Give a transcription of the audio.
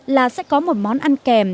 là sẽ có một món ăn kèm